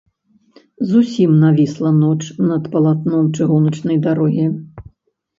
Зусім навісла ноч над палатном чыгуначнай дарогі.